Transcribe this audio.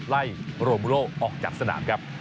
ไล่โรโมโล่ออกจากสนามครับ